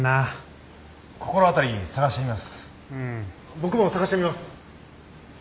僕も探してみます。